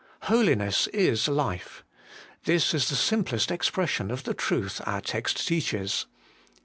Holiness is Life: this is the simplest expression of the truth our text teaches.